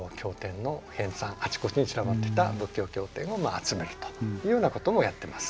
あちこちに散らばっていた仏教経典を集めるというようなこともやってます。